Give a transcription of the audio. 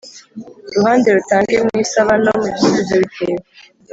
ruhande rutanga mu isaba no mu gisubizo bitewe